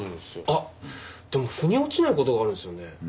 あっでも腑に落ちない事があるんですよね。